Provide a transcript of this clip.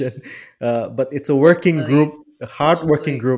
ini adalah grup yang bekerja keras